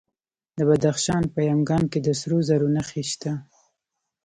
د بدخشان په یمګان کې د سرو زرو نښې شته.